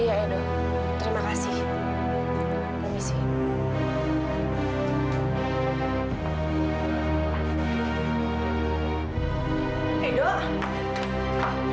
iya edo terima kasih